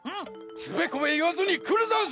つべこべいわずにくるざんす！